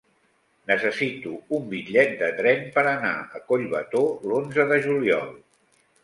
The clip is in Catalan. Necessito un bitllet de tren per anar a Collbató l'onze de juliol.